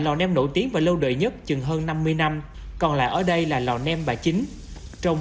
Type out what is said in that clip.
lò nêm nổi tiếng và lâu đời nhất chừng hơn năm mươi năm còn lại ở đây là lò nêm bà chính trông